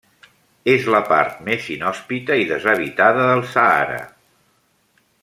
És la part més inhòspita i deshabitada del Sàhara.